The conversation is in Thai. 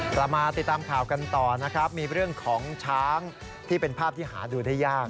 กลับมาติดตามข่าวกันต่อนะครับมีเรื่องของช้างที่เป็นภาพที่หาดูได้ยาก